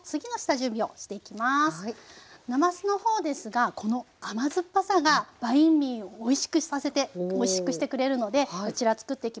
なますの方ですがこの甘酸っぱさがバインミーをおいしくさせておいしくしてくれるのでこちらつくっていきます。